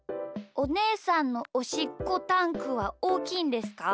おねえさんのおしっこタンクはおおきいんですか？